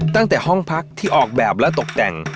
ตั้งแต่ห้องพักที่ออกแบบและตกแต่ง